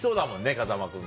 風間君。